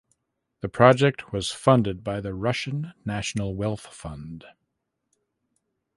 The project was funded by the Russian National Wealth Fund.